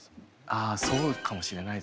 あそうかもしれないですね。